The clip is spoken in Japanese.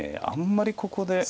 あんまりここで。